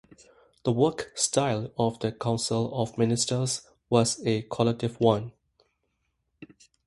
The work style of the Council of Ministers was a collective one.